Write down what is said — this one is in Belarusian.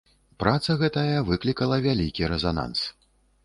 Праца гэтая выклікала вялікі рэзананс.